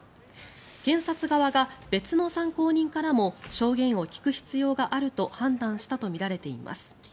検察側が別の参考人からも証言を聞く必要があると判断したとみられています。